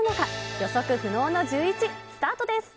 予測不能のジューイチ、スタートです。